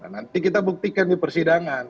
nanti kita buktikan di persidangan